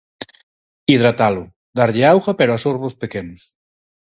Hidratalo: darlle auga pero a sorbos pequenos.